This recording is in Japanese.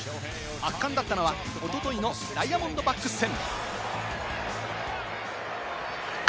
圧巻だったのは、おとといのダイヤモンドバックス戦。